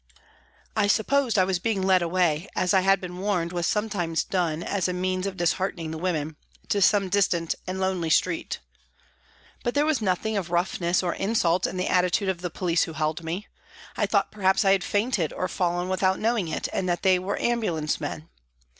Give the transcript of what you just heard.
I supposed I was being led away, as I had been warned was sometimes done as a means of dis heartening the women, to some distant and lonely street. But there was nothing of roughness or insult in the attitude of the police who held me. I thought perhaps I had fainted or fallen without knowing it and that they were ambulance men.